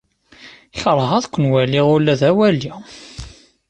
Keṛheɣ ad ken-waliɣ ula d awali.